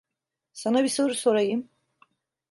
Sana bir soru sorayım.